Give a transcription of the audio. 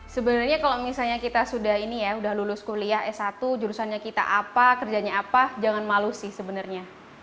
sebenarnya kalau misalnya kita sudah ini ya sudah lulus kuliah s satu jurusannya kita apa kerjanya apa jangan malu sih sebenarnya